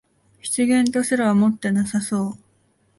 失言とすら思ってなさそう